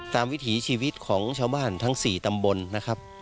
วิถีชีวิตของชาวบ้านทั้ง๔ตำบลนะครับ